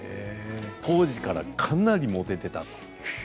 当時からかなりモテていたと。